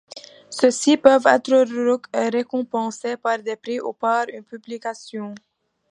Ceux-ci peuvent être récompensés par des prix ou par une publication.